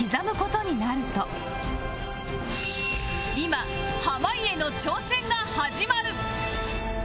今濱家の挑戦が始まる